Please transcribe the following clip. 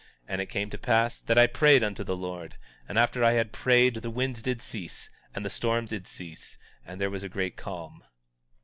And it came to pass that I prayed unto the Lord; and after I had prayed the winds did cease, and the storm did cease, and there was a great calm.